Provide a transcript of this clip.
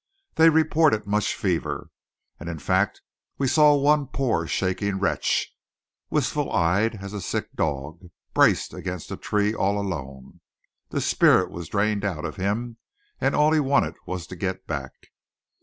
They reported much fever; and in fact we saw one poor shaking wretch, wistful eyed as a sick dog, braced against a tree all alone. The spirit was drained out of him; and all he wanted was to get back.